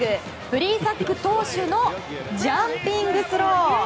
プリーサック投手のジャンピングスロー。